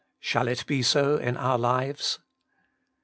Shall it be so in our lives